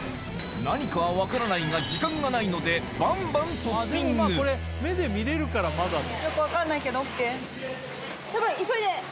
何かは分からないが時間がないのでバンバントッピングこれさ。